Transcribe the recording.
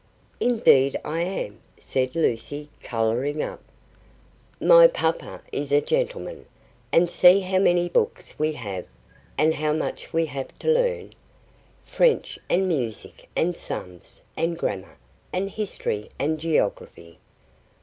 "Indeed I am," said Lucy, colouring up. "My Papa is a gentleman. And see how many books we have, and how much we have to learn! French, and music, and sums, and grammar, and history, and geography."